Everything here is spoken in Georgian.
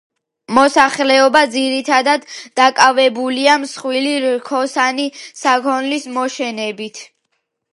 მოსახლეობა ძირითადად დაკავებულია მსხვილი რქოსანი საქონლის მოშენებით.